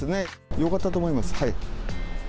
よかったと思います。